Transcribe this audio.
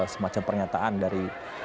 semacam pernyataan dari